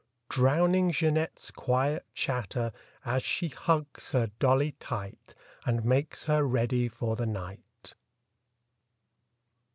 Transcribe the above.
Drowning Jeanette's quiet chatter As she hugs her dolly tight And makes her ready for the night.